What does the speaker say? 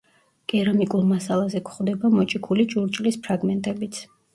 კერამიკულ მასალაზე გვხვდება მოჭიქული ჭურჭლის ფრაგმენტებიც.